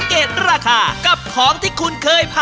เพราะคุณ